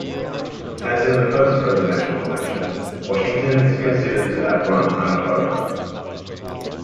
As in the first presidential election, Washington is considered to have run unopposed.